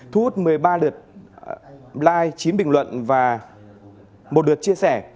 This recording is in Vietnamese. thu hút một mươi ba đợt like chín bình luận và một đợt chia sẻ